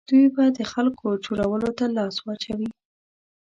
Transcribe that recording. دوی به د خلکو چورولو ته لاس واچوي.